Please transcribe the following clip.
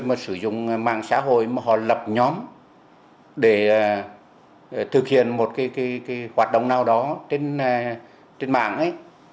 mà sử dụng mạng xã hội mà họ lập nhóm để thực hiện một hoạt động nào đó trên mạng ấy